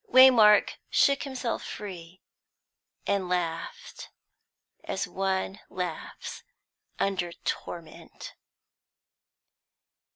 Waymark shook himself free, and laughed as one laughs under torment.